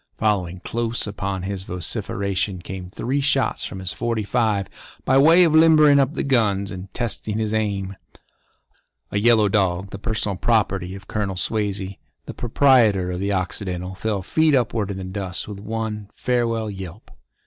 Following close upon his vociferation came three shots from his forty five by way of limbering up the guns and testing his aim. A yellow dog, the personal property of Colonel Swazey, the proprietor of the Occidental, fell feet upward in the dust with one farewell yelp.